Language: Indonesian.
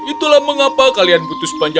itulah mengapa kalian berhenti mencari makanan